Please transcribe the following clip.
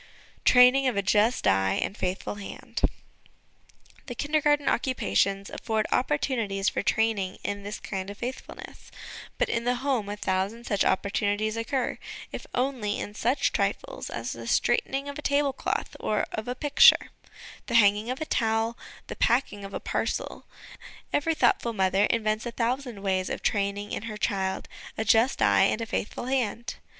Training of a Just Eye and Faithful Hand. The Kindergarten 'Occupations' afford opportunities for training in this kind of faithfulness ; but in the home a thousand such opportunities occur; if only in such trifles as the straightening of a tablecloth or of a picture, the hanging of a towel, the packing of a parcel every thoughtful mother invents a thousand ways of training in her child a just eye and a faithful hand.